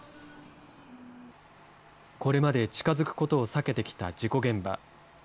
これまで近づくことを避けてきた事故現場。